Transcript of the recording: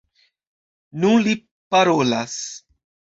Nun li parolas.